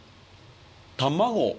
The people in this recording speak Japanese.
卵？